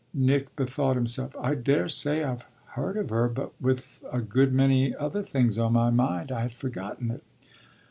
Nick bethought himself. "I daresay I've heard of her, but with a good many other things on my mind I had forgotten it."